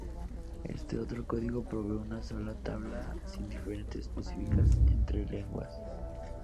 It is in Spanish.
Este otro código provee una sola tabla sin diferencias específicas entre lenguas.